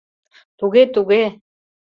— Туге, туге!